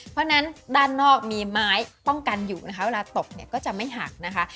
เพราะฉะนั้นด้านนอกมีไม้ป้องกันอยู่นะคะเวลาตบเนี่ยก็จะไม่หักนะคะ